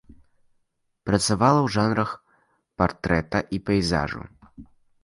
Працавала ў жанрах партрэта і пейзажу.